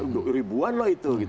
dua ribuan loh itu